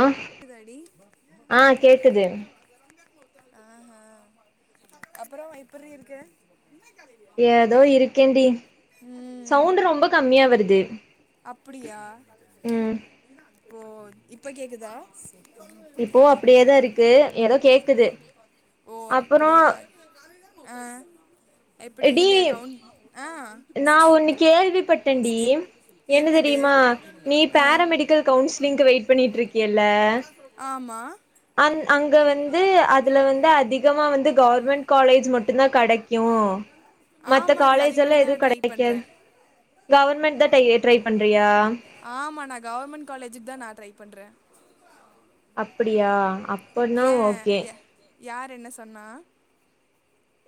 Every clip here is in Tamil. ஆ க்குதாடி ஆ கேக்குது அ ஆ அப்றோ எப்பிற்றி இருக்க ஏதோ இருக்கேன்டி ம் சவுண்டு ரொம்ப கம்மியா வருது அப்டியா ம் ஓ இப்ப கேக்குதா இப்போ அப்டியேதா இருக்கு ஏதோ கேக்குது ஓ அப்புறோ அப்டியா அ எப்டி டி இந்த கவுண்ட் ஆ நா ஒண்ணு கேள்விப்பட்டண்டி என்ன என்னது தெரியுமா நீ ஆ பேரமெடிக்கல் கவுன்சிலிங்க்கு வெயிட் பண்ணிட்டிருக்கியல்ல ஆமா அந் அங்க வந்து அதுல வந்து அதிகமா வந்து கவர்மெண்ட் காலேஜ் மட்டுந்தா கடைக் கு மத்த ஆமாடி அதுக்கு காலேஜெல்லா வேண்டி தா நா எதுக் ட்ரை பண்றே கடைக்காது கவர்மெண்ட்தா டே ட்ரைப் பண்றியா ஆமா நா கவர்மெண்ட் காலேஜிக்தா நா ட்ரைப் பண்ற அப்டியா அப்பன்னா ஓகே எ யார் என்ன சொன்னா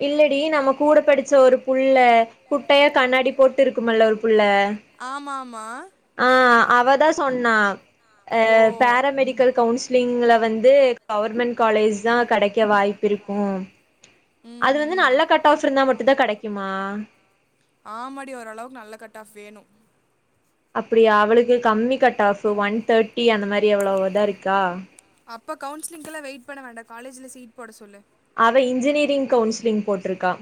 இல்லடி நம்ம கூட படிச்ச ஒரு புள்ள குட்டையா கண்ணாடி போட்டு இருக்குமல்ல ஒரு புள்ள ஆமா ஆமா ஆ அவதா சொன்னா அ ஓ பேராமெடிக்கல் கவுன்ஸ் லிங்கல வந்து கவர்மெண்ட் காலேஜ்தா கடைக்க வாய்ப்பிருக்கு அது வந்து ம்ஹும் நல்ல கட் ஆஃப்ருந்தா மட்டுந்தா கடைக்குமா ஆமாடி ஓரளவுக் நல்ல கட் ஆஃப் வேணு அப்டியா அவளுக்கு கம்மி கட் ஆஃபு ஒன் தேர்ட்டி அந்த மாரி அவ்ளோவ்தாருக்கா அப்ப கவுன்ஸ்லிங்க்கெல்லா வெயிட் பண்ண வேண்டா காலேஜில சீட் போட சொல்லு அவ இன்ஜினியரிங் கவுன்ஸ்லிங் போட்ருக்கா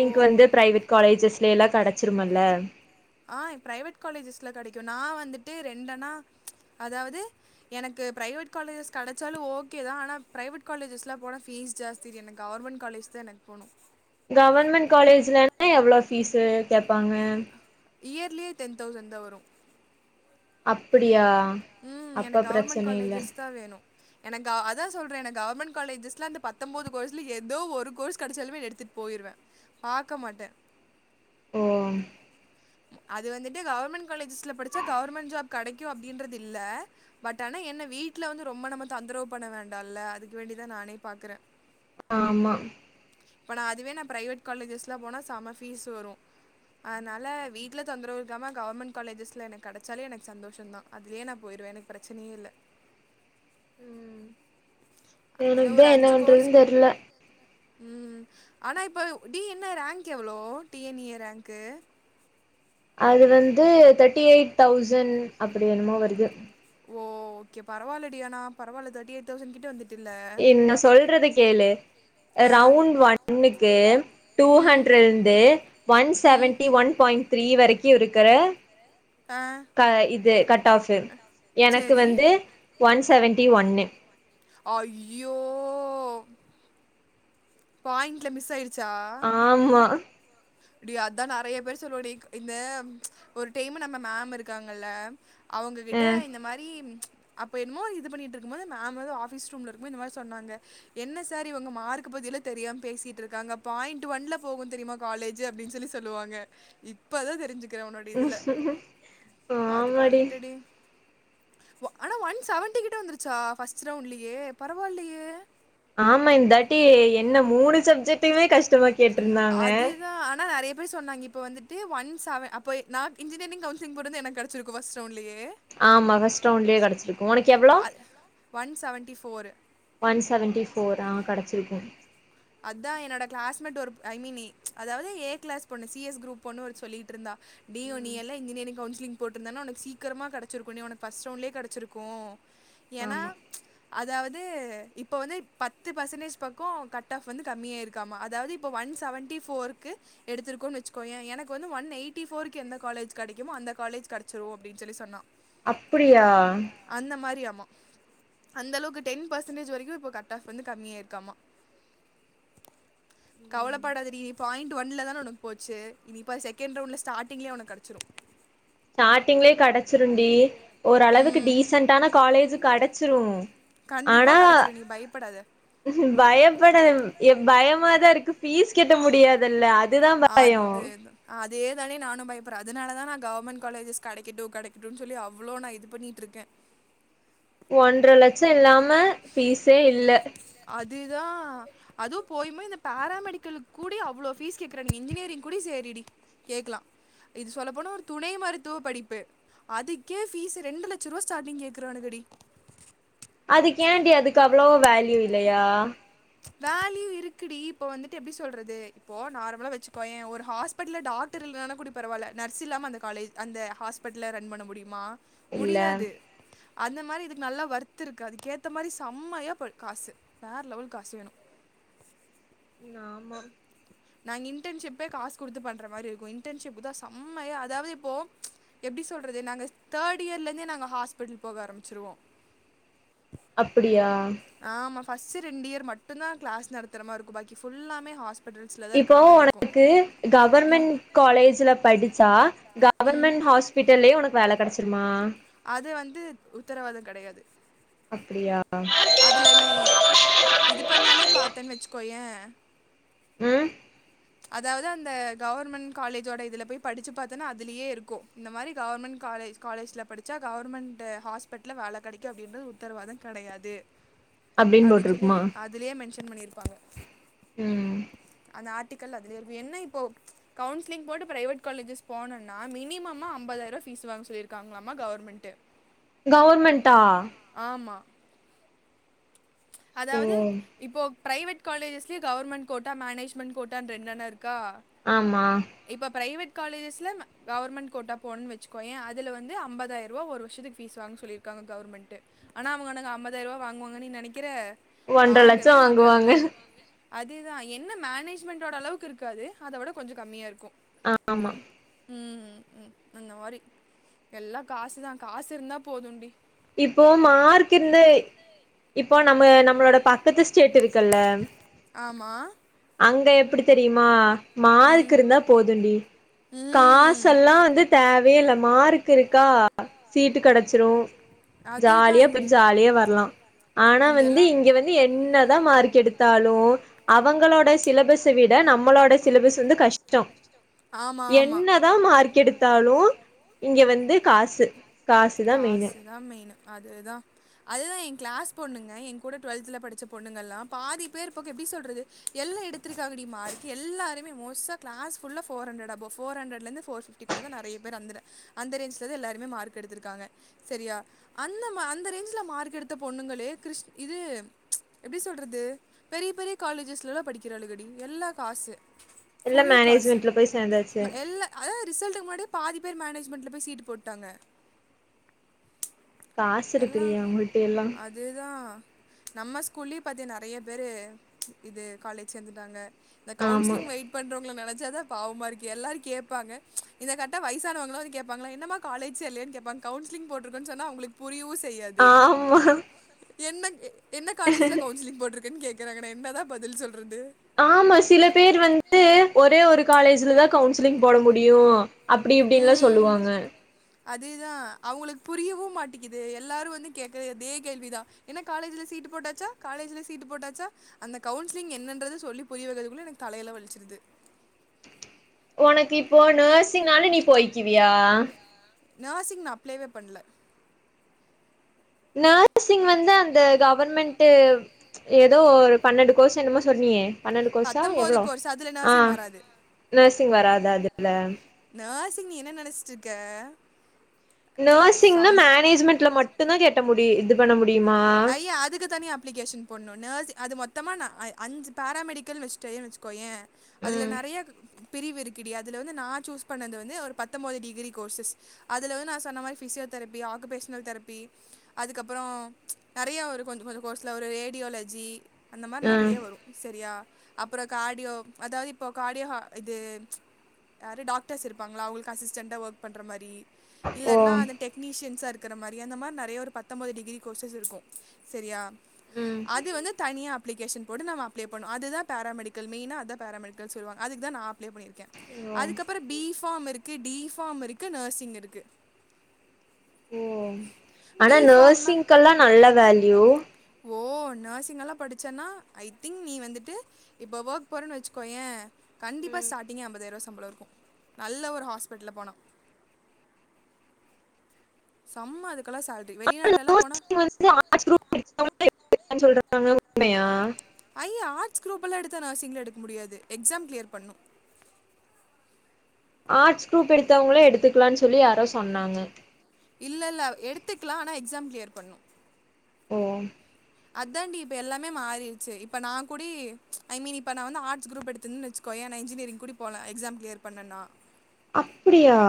ஓ வந்து பிரைவேட் காலேஜஸ்லயெல்லா கடைச்சிருமல்ல ஆ ப்ரைவேட் காலேஜஸ்ல கடைக்கு நா வந்துட்டு ரெண்டனா அதாவது எனக்கு பிரைவேட் காலேஜஸ் கடைச்சாலு ஓகேதா ஆனா பிரைவேட் காலேஜஸ்லா போனா ஃபீஸ் ஜாஸ் தி எனக்கு கவர்மெண்ட் காலேஜ் தாஎனக்கு போணு கவர்மெண்ட் காலேஜ்லனா எவ்வளோ ஃபீஸு கேப்பாங்க இயர்லியே டென் தௌசண்ட் தா வரு அப்பிடியா ம் எனக் கவர்மெண்ட் காலேஜஸ்தா வேணு எனக்கா அதா சொல்ற எனக்கவர்மெண்ட் காலேஜஸ்ல அந்த பத்தன்போது கோர்ஸ்ல எதோ ஒரு கோர்ஸ் கெடைச்சாலுமே எடுத்துட் போயிர்வ பாக்க மாட்ட ஓ அது வந்துட்டு கவர்மெண்ட் காலேஜஸ்ல படிச்சா கவர்மெண்ட் ஜாப் கடைக்கு அப்டின்றதில்ல பட் ஆனா என்ன வீட்ல வந்து ரொம்ப நம்ம தொந்தரவு பண்ண வேண்டான்ல்ல அதுக்கு வேண்டிதா நானே பாக்குற ஆமா இப்ப நா அதுவே நா பிரைவேட் காலேஜஸ்லா போனா செம ஃபீஸ் வரு அதனால வீட்ல தொந்தரவுயிருக்காம கவர்மெண்ட் காலேஜஸ்ல எனக்கு கெடச்சாலே எனக்கு சந்தோஷந் தா அது லயே நா போயிருவ எனக் ப்ரச்சனையே இல்ல ம் அதுல எனக்கு தா ஒரு என்ன அஞ்சு கோர்ஸ்க பண்றதுன்னு கோ தெர்ல ம் அனா இப்ப டி என்ன ரேங்க் எவ்ளோ டி என் யி ஏ ரேங்க்கு அது வந்து தேர்ட்டி எயிட் தௌசண்ட் அப்படி என்னமோ வருது ஓ ஓகே பரவால்லடி அன பரவால்ல தேர்டி எயிட் தௌசண்கிட்ட வந்து எ நா சொல்றத கேளு அ ஆ ரவுண்ட் ஒன்க்கு டூ ம் ஹண்ட்ருந்து ஒன் ம் செவன்டி ஒன் பாயிண்ட் த்ரீ வரைக்கு இருக்கற ஆ க இது கட் ஆஃப்பு எனக்கு சேரி வந்து ஒன் செவன்ட்டி ஒன்னு ஐயோ பாயிண்ட்ல மிஸ் ஆயிடுச்சா ஆமா அப்படியா அதா நறய பேர் சொல்வடி இந்த ஒரு டைமு நம்ம மேம் இருக்காங்கல்ல ஆ அவுங்ககிட்ட இந்த மாரி அப்போ என்னமோ இது பண்ணிட்ருக்கும் போது மேம் வந்து ஆபீஸ் ரூம்ல இருக்கும்போ இந்த மாரி சொன்னாங்க என்ன சார் இவுங்க மார்க் பத்திலா தெரியாம பேசீட்ருக்காங்க பாயிண்ட் ஒன்ல போகு தெரிமா காலேஜ்ஜு அப்டின்னு சொல்லி சொல்லுவாங்க இப்பதா தெரிஞ்சு க்கற உன்னோட இதுல அது ஆமாடி கரெக்ட்டு டி வ அனா ஒன் செவன்டி கிட்ட வந்துருச்சா ஃபஸ்ட் ரவுண்ட்லயே பரவால்லயே ஆமா இந்தாட்டி என்ன மூணு சப்ஜெ அதுதா அனா நறையா பேர் சொன்னாங்க இப்ப வந்துட்டு ஒன் செவ அப்போய் நா இன்ஜினிரிங் கவுஸ்லிங் போட்ருந்தா எனக் கெடச்சிருக்கு ஃபஸ்ட் ரவுண்ட்லயே ஆமா ஃபர்ஸ்ட் ரவுண்டுலயே கெடச்சிரு அ one seventy four one seventy four ஆ கெடச்சிருக்கு அதா என்னோட கிளாஸ்மேட் ஒரு ஐ மீன்யி அதாவது ஏ கிளாஸ் பொண்ணு சி எஸ் குரூப் பொண்ணு ஒ சொல்லீட்ருந்தா டி ஓ நீ ம் எல்ல இன்ஜினிரிங் கவுன்சிலிங் போட்ருந்தனா உனக்கு சீக்கரமா கெடச்சிருக்கு நீ உனக்கு பஸ்ட் ரவுண்லயே கெடச்சிருக்கு எனா ஆமா அதாவது இப்போ வந்து பத்து பர்சன்டேஜ் பக்கோ கட் டாஃப் வந்து கம்மியாயிருக்காமா அதாவது இப்ப ஒன் செவன்டி போருக்கு எடுத்துருக்கோனு வச்சுக்கோயே எனக்கு வந்து ஒன் எயிட்டி போர்க் எந்த காலேஜ் கெடைக்குமோ அந்த காலேஜ் கெடசிரு அப்டின்னு சொல்லி சொன்னா அப்படியா அந்த மாரியாமா அந்த அளவுக்கு டென் பெர்சன்டேஜ் வரைக்கு இப்ப கட் ஆஃப் வந்து கம்மியாயிருக்காமா ம் கவலப்படாதடி பாயிண்ட் ஒன்ல தான உனக்கு போச்சு இனி பார் செகண்ட் ரவுண்ட்ல ஸ்டாட்டிங்லே உனக் கெடச்சிரு ஸ்டார்ட்டிங்லே கெடச்சிருண்டி ஓரளவுக்கு ம் டீசன்டான காலேஜு கெடச்சுரு கண்டிப்பா கெடச்சிரு நீ பயப்படாத பயப்பட யம் பயமாதா இருக்கு பீஸ் கெட்ட முடியாதல்ல அ அதேதா அதே தானே நானு பயப்பற அதனால தா நா கவர்மெண்ட் காலேஜஸ் கடைக்கட்டு கடைக்கட்டுன் சொல்லி அவ்ளோ நா இது பண்ணிட்ருக்கே ஒன்ற லச்சோ இல்லாம ப்பீஸே இல்ல அதுதா அதூ போயு போய் இந்த பேராமெடிக்கலுக் கூடி அவ்ளோ பீஸ் கேக்குறாங் இன்ஜினியரிங் கூடி சேரிடி கேக்கலா இது சொல்ல போனா ஒரு துணை மருத்துவ படிப்பு அதுக்கே ஃபீஸ்ஸு ரெண்டு லட்சருவா ஸ்டாடிங் கேக்கறானு டி அதுக்கேன்டி அதுக்கு அவ்ளோ வேல்யூ இல்லயா வேல்யூ இருக்குடி இப்போ வந்துட்டு எப்டி சொல்றது இப்போ நார்மலா வச்சு போயே ஒரு ஹாஸ் ஹாஸ்பட்ல டாக்ட்டர் இல்லன கூட பரவால்ல நர்ஸ் இல்லாம அந்த காலேஜ் அந்த ஹாஸ்பெட்ல ரன் பண்ண முடியுமா இல்ல முடியாது அந்த மாரி இதுக்கு நல்லா வ்ர்த்ருக்கு அதுக்கேத்த மாரி செம்மையா ப காசு வேறு லெவல் காசு வேணு ம் ஆமா நாங் இன்டன்ஷிப்பே காசு கொடுத்து பண்ற மாரி இருக்கு இன்டன்ஷிப்பு தா செம்மையா அதாவது இப்போ எப்டி சொல்றது நாங்க தேர்ட் இயர்ல இருந்தே நாங்க ஹாஸ்பிட்டல் போக ஆரம்பிச்சுருவோ அப்டியா ஆமா பஸ்ட் ரெண்டு இயர் மட்டு தா கிளாஸ் நடத்துறமாரு இருக்கு பாக்கி புல்லாமே ஹாஸ் இப்போ உனக்கு கவர்மெண்ட் காலேஜில படிச்சா கவர்மெண்ட் ஹாஸ் பீட்டலேயே ஒனக்கு வேல கெடச்சிருமா அது வந்து உத்தரவாதோ கெடையாது அப்பிடியா இதில நீ இது பண்ணாலே பாத்தேன்னு வச்சுக்கோ ஏ ம் அதாவது அந்த கவர்மெண்ட் காலேஜோட இதுல போய் படிச்சி பாத்தேன்னா அதலயே இருக்கு இந்த மாரி கவர்மெண்ட் காலேஜ் காலேஜில படிச்சா கவர்மெண்ட்டு ஹாஸ்பிட்டுல்ல வேல கெடைக்கு அப்படின்றது உத்தரவாதங் கெடையாது அப்டின்னு அப்பிடின்னு சொல்லி போட்ருக்குமா அதுலேயே மென்ஷன் பண்ணியிருப்பாங்க ம் அந்த ஆட் ஆர்டிக்கல் அதுலேஇருக்கு என்ன இப்போ கவுன்சிலிங் போட்டு ப்ரைவேட் காலேஜஸ் போனுனா மினிமமா அம்பதாயிரூப ஃபீஸ் வாங்க சொல்லியிருக்காங்களாமா கவர்மெண்ட்டு கவர்மெண்ட்டா ஆமா ஓ அதாவது இப்போ பிரைவேட் காலேஜஸ்லயே கவர்மெண்ட் கோட்டா மேனேஜ்மெண்ட் கோட்டான்னு ரென்டனா இருக்கா ஆமா இப்ப பிரைவேட் காலேஜஸ்ல கவர்மெண்ட் கோட்டா போன்னு வச்சுக்கோய அதுல வந்து அம்பதாயிரூபா ஒரு வருஷத்துக்கு பீஸ் வாங்க சொல்லிருக்காங்க கவர்மெண்ட்டு ஆனா அவனுங்க அம்பதாயிரூபா வாங்குவாங்கென்னு நீ நெனைக்கிற ஒன்ற லட்சோ வாங்கவே மாடானுங்க வாங்குவாங்க அதேதா என்ன மேனேஜ்மெண்டோட அளவுக்கு இருக்காது அத வுட கொஞ்சோ ககம்மியா இருக்கூ அ ஆமா ம்ம் ம் அந்த மாரி எல்லா காசு தா காசு இருந்தா போதும்டி இப்போ மார்க்கு இர்ந்தே இப்போ நம்ப நம்பளோட பக்கத்து ஸ்டேட் இருக்குல்ல ஆமாம் அங்க எப்பிடி தெரியுமா மார்க்கு இருந்தா போதுண்டி ம் காசெல்லா வந்து தேவயே இல்ல மாருக் க் இருக்கா சீட்டு கெடச்சிரு அதுதா ஜாலியா இங்க போய் ஜாலியா வர்லா ஆனா வந்து இங்கெல்லா இங்க வந்து என்னதா மார்க் எடுத்தாலு அவங்களோட சிலபஸ் விட நம்மோளோட சிலபஸ் வந்து கஷ்டோ ஆமா ஆமா என்னதா மார்க் எடுத்தாலு இங்க வந்து காசு தா மெயினு காசு தா மெயினு அதுதா அதுதா என் கிளாஸ் பொண்ணுங்க என் கூட டுவெல்துல படிச்ச பொண்ணுங்கள்லாம் பாதி பேர் பக்கோ எப்டி சொல்றது எல்லா எடுத்துருக்காங்கடி மார்க் எல்லாருமே மோஸ்டா க்ளாஸ்ஃபுல்லா ஃபோரஹண்ரட்அபோ ஃபோரஹண்ரட்ல இருந்து ஃபோர் ஃபிஃப் ப்டி கூட தா நெறையா பேர் அந்தர அந்த ரேஞ்சுல தா எல்லாருமே மார்க் எடுத்திருக்காங்க செரியா அந்த அந்த ரேஞ்சில மார்க் எடுத்த பொண்ணுங்களே கிருஷ் இது எப்டி சொல்றது பெரிய பெரிய காலேஜஸ்லெல்லா படிக்கிறாளுகடி எல்லா காசு எல்லா ஃபுல் காசு மேனேஜ்மெண்ட்ல போய் சேந்தாச்சு ம எல்லா அதே ரிசல்ட்டுக்கு முன்னாடியே பாதி பேர் மேனேஜ்மெண்ட்ல போய் சீட்டு போட்டாங்க காசு இருக்குடி அவுங்கள்டே எல்லா இதேதா நம்ம ஸ்கூல்லயே பாத்தியா நெறையா பேரு இது காலேஜ் சேந்துட்டாங்க இந்த ஆமா கவுன்சிலிங் வெயிட் பண்றவங்கள நெனைச்சாதா பாவமா இருக்கு எல்லாரு கேப்பாங்க இத கட்னா வயசானவங்கள வந்து கேப்பாங்களா என்னமா காலேஜா இல்லையானு கேப்பாங்க கவுன்சிலிங் போட்ருக்கோனு சொன்னா அவங்ளுக்கு புரியவு செய்யாது ஆமா என்ன என்ன காலேஜ்ல கவுன்சிலிங் போட்ருக்கனு கேக்குறாங்க நா என்னதா பதில் சொல்றது ஆமா சில பேர் வந்து ஒரே ஒரு காலேஜிலதா கவுன்சிலிங் போட முடியு அப்டி இப்டின்லா ம் சொல்லுவாங்க அதேதா அவங்களுக்கு புரியவு மாட்டிக்கிது எல்லாரு வந்து கேக்குறது அதே கேள்விதா என்ன காலேஜ்ல சீட்டு போட்டாச்சா காலேஜ்ல சீட்டு போட்டாச்சா அந்த கவுன்ஸ்லிங் என்னன்றத சொல்லி புரியவக்கறதக்குள்ள எனக்கு தலையெல்லா வலுச்சிருது ஒனக்கு இப்போ நெர்சிங்னாலு நீ போய்கிவியா நெர்சிங் நா அப்ளேவே பண்ல நேர்சிங் வந்து அந்த கவர்மெண்ட்டு ஏதோ ஒரு பன்னெண்டு கோர்ஸ் என்னமோ சொன்னியே பன்னெண்டு கோர்ஸா பத்தொம்போது எவ்ளோ கோர்ஸ் அதுல ஆ நர்சிங் வராது நெர்சிங் வராதா அதுல நேர்சிங் நீ என்ன நெனைச்சிட்ருக்க நேர்சிங்னா மேனேஜ்மெண்ட்ல மட்டுந்தா கெட்ட முடி இது பண்ண முடியுமா அய்ய அதுக்கு தனியா அப்ளிகேஷன் ஒன்னு நேர்ஸிங் அது மொத்தமா நா அஞ்சு பேராமெடிக்கல் வச்டேயே வச்சுக்கோயே அதுல ம் நெறையா பிரிவு இருக்குடி அதுல வந்து நா சூஸ் பண்ணது வந்து ஒரு பத்தொம்போது டிகிரி கோர்ஸஸ் அதுல வந்து நா சொன்ன மாரி ஃபிசியோ தெரபி ஆக்குபேஷ்னல் தெரப்பி அதுக்கப்பறோ நெறையா வரு கொஞ்ச கொஞ்ச கோர்ஸ்ல ஒரு ரேடியோலஜி அந்த மாரி ம் நெறையா வரு செரியா அப்றோ கார்டியோ அதாது இப்போ காடியோ ஹ இது யாரு டாக்டர்ஸ் இருப்பாங்களா அவங்களுக்கு அசிஸ்டண்ட்டா ஒர்க் பண்ற மாரி ஓ இல்லன்னா அந்த டெக்னீஷியன்ஸா இருக்குற மாரி அந்த மாரி நெறையா ஒரு பத்தொம்பொது டிகிரி கோர்சஸ் இருக்கு செரியா ம் அது வந்து தனியா அப்ளிகேஷன் போட்டு நம்ம அப்ளை பண்ணுவோ அதுதா பேராமெடிக்கல் மெய்னா அதுதா பேராமெடிக்கல் சொல்லுவாங்க அதுக்குதா நா அப்ளே பண்ணிருக்கே ஓ அதுக்கப்பறோ பி ஃபார்ம் இருக்கு டி ஃபாம் இருக்கு நெர்சிங் இருக்கு ஓ பி ஆனா ஃபார்ம்னா நெர்சிங்க்கெல்லா நல்ல வேல்யூ ஓ நெர்சிங்கெல்லா படிச்சேனா ஐ திங்க் நீ வந்துட்டு இப்ப ஒர்க் போறேனு வச்சுக்கோயே கண்டிப்பா ஸ்டாடிங்கே ஐம்பதாய் ரூபா சம்பளோ இருக்கு நல்ல ஒரு ஹாஸ்பிட்டல்ல போனா செம்ம அதுக்கெல்லா சேல்ரி வெளிநாட்லலா போனா நீ வந் [inaudible] ஆட்ஸ் குரூப் [inaudible] றாங்க உண்மயா அய்ய ஆட்ஸ் குரூப்பெல்லா எடுத்தா நெர்ஸிங்லா எடுக்க முடியாது எக்ஸாம் க்ளியர் பண்ணணு ஆர்ட்ஸ் குரூப் எடுத்தவங்களே எடுத்துக்கலாம்னு சொல்லி யாரோ சொன்னாங்க இல்ல இல்ல எடுத்துக்கலா ஆனா எக்ஸாம் க்ளியர் பண்ணு ஓ அத்தான்டி இப்ப எல்லாமே மாறிருச்சு இப்ப நா கூடி ஐ மீன் இப்ப நா வந்து ஆர்ட்ஸு குரூப் எடுத்துந்தன் வெச் கொய நா என்ஜினியரிங் கூடி போலா எக்ஸாம் க்ளியர் பண்ணன்னா அப்புடியா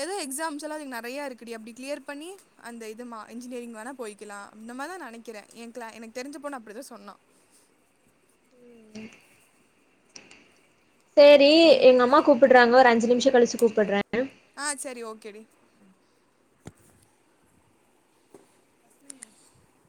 எதோ எக்ஸாம்ஸ் எல்லா அதுக் நறையா இருக்குடி அப்டி க்ளியர் பண்ணி அந்த இதுமா இன்ஜினியரிங் வேணா போய்கிலா அந்த மார்தா நனக்கிறே ஏ க்ளே எனக் தெரிஞ்ச பொண்ணு அப்புடிதா சொன்னா ஹே சேரி எங் அம்மா கூப்புட்றாங்க ஒரு அஞ்சு நிம்ஷோ கழிச்சு கூப்புட்ற அ சரி ஓகேடி ம்